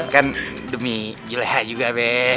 kan demi jelaiha juga be